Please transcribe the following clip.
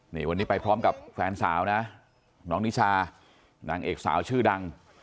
นี่วันนี้ไปพร้อมกับแฟนสาวนะน้องนิชานางเอกสาวชื่อดัง